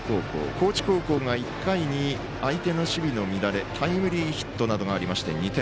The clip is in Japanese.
高知高校が１回に相手の守備の乱れタイムリーヒットなどがありまして、２点。